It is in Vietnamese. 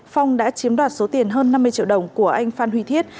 phong đã chiếm đoạt số tiền hơn năm mươi triệu đồng của anh phan huy thiết